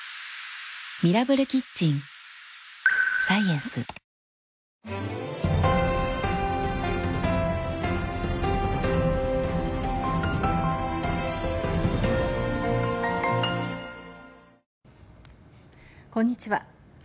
こんにちは。